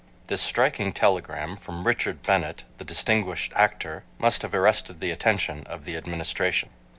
This striking telegram from Richard Bennett, the distinguished actor, must have arrested the attention of the Administration.